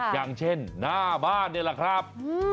อย่างเช่นหน้าบ้านนี่แหละครับ